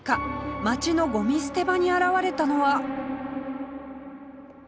町のゴミ捨て場に現れたのは